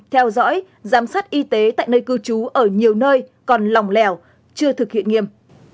theo dõi giám sát y tế tại nơi cư trú ở nhiều nơi còn lòng lẻo chưa thực hiện nghiêm